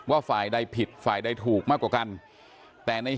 โคศกรรชาวันนี้ได้นำคลิปบอกว่าเป็นคลิปที่ทางตำรวจเอามาแถลงวันนี้นะครับ